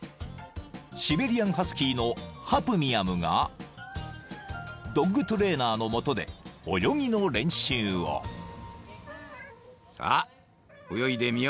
［シベリアンハスキーのハプミアムがドッグトレーナーのもとで泳ぎの練習を］さあ。